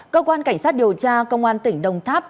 cơ quan cảnh sát điều tra công an tỉnh đồng tháp